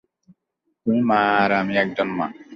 তুমি মা আর আমি একজন মা।